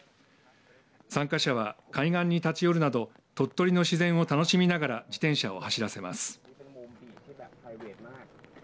参加者は海岸に立ち寄るなど鳥取の自然を楽しみながら自転車を走らせます。